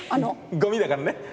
ゴミだから。